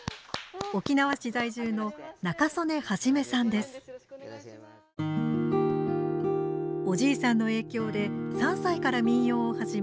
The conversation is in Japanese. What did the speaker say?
沖縄市在住のおじいさんの影響で３歳から民謡を始め